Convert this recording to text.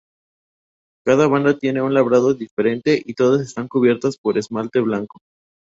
Cada banda tiene un labrado diferente y todas están cubiertas por esmalte blanco.